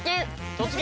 「突撃！